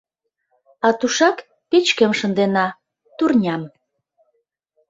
А тушак печкем шындена, турням...